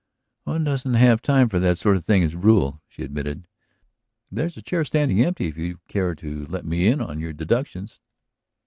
"One doesn't have time for that sort of thing as a rule," she admitted. "There's a chair standing empty if you care to let me in on your deductions."